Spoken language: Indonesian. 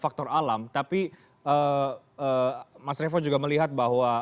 faktor alam tapi mas revo juga melihat bahwa